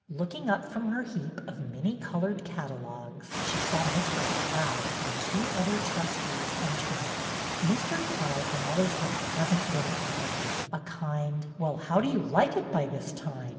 Looking up from her heap of many colored catalogues, she saw Mr. Cloud and two other trustees entering. Mr. Cloud had always had a pleasant word for Betty, a kind Well, how do you like it by this time?"